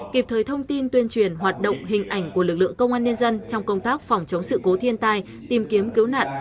kịp thời thông tin tuyên truyền hoạt động hình ảnh của lực lượng công an nhân dân trong công tác phòng chống sự cố thiên tai tìm kiếm cứu nạn